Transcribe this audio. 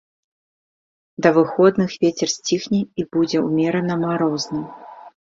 Да выходных вецер сціхне і будзе ўмерана марозна.